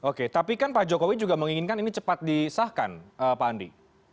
oke tapi kan pak jokowi juga menginginkan ini cepat disahkan pak andi